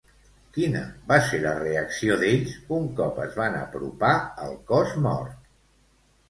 Quina va ser la reacció d'ells un cop es van apropar al cos mort?